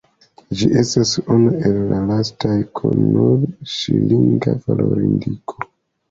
Ĝi estas unu el la lastaj kun nur ŝilinga valorindiko.